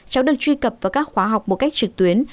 cháu được truy cập vào các khóa học một cách trực tuyến